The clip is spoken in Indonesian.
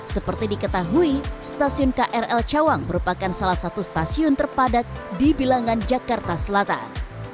seperti diketahui stasiun krl cawang merupakan salah satu stasiun terpadat di bilangan jakarta selatan